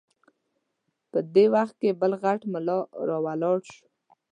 په دې وخت کې بل غټ ملا راولاړ شو.